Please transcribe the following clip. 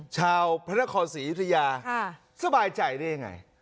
ชาวพระนครศรีอยุธยาสบายใจได้ยังไง